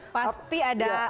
pasti ada tujuan khusus nih